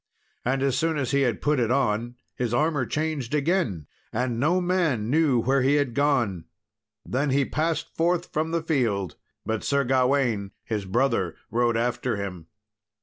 And as soon as he had put it on, his armour changed again, and no man knew where he had gone. Then he passed forth from the field; but Sir Gawain, his brother, rode after him.